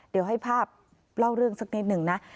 เดี๋ยวให้ภาพเล่าเรื่องสักนิดหนึ่งนะ